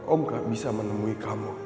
om kak bisa menemui kamu